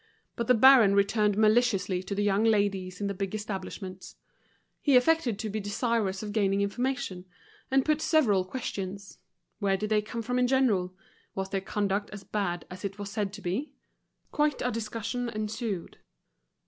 But the baron returned maliciously to the young ladies in the big establishments. He affected to be desirous of gaining information, and put several questions: Where did they come from in general? Was their conduct as bad as it was said to be? Quite a discussion ensued.